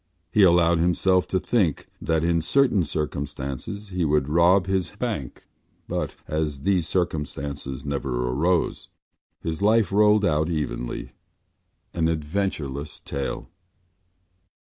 He allowed himself to think that in certain circumstances he would rob his bank but, as these circumstances never arose, his life rolled out evenly—an adventureless tale.